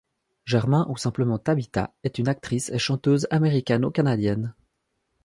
Germain ou simplement Tabitha, est une actrice et chanteuse américano-canadienne.